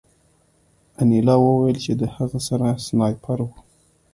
انیلا وویل چې د هغه سره سنایپر و